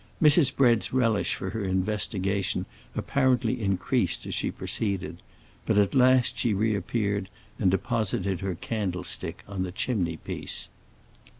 Mrs. Bread's relish for her investigation apparently increased as she proceeded; but at last she reappeared and deposited her candlestick on the chimney piece.